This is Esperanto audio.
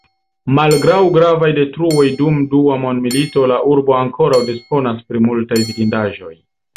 Malgraŭ gravaj detruoj dum Dua Mondmilito la urbo ankoraŭ disponas pri multaj vidindaĵoj.